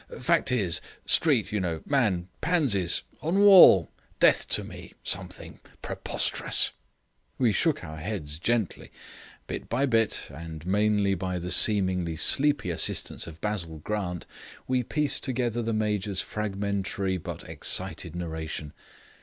"Fact is. Street, you know, man, pansies. On wall. Death to me. Something. Preposterous." We shook our heads gently. Bit by bit, and mainly by the seemingly sleepy assistance of Basil Grant, we pieced together the Major's fragmentary, but excited narration.